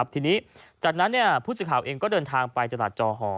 ทีนี้จากนั้นผู้สื่อข่าวเองก็เดินทางไปตลาดจอหอ